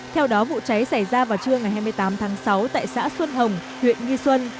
theo đó vụ cháy xảy ra vào trưa ngày hai mươi tám tháng sáu tại xã xuân hồng huyện nghi xuân